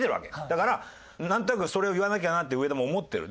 だからなんとなくそれを言わなきゃなって上田も思ってる。